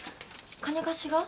金貸しが？